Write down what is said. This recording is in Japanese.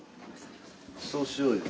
そうしようよ。